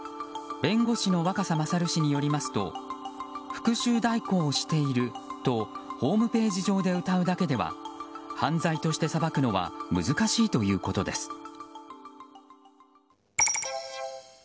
弁護士の若狭勝氏によりますと復讐代行をしているとホームページ上でうたうだけでは犯罪として裁くのは難しいということです。